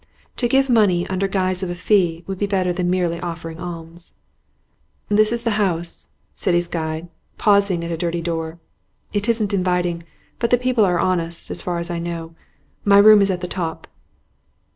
To give money under guise of a fee would be better than merely offering alms. 'This is the house,' said his guide, pausing at a dirty door. 'It isn't inviting, but the people are honest, so far as I know. My room is at the top.